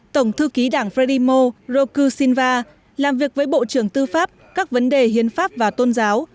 tổng thư ký đảng frelimo roku sinva làm việc với bộ trưởng tư pháp các vấn đề hiến pháp và tôn giáo